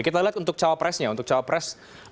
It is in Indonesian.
kita lihat untuk capresnya untuk capres